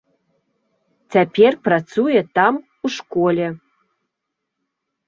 Цяпер працуе там у школе.